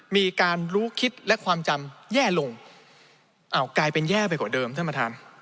มีการรู้คิดและความจำแย่ลงอ้าวกลายเป็นแย่ไปกว่าเดิมท่านประธาน